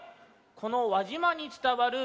この輪島につたわる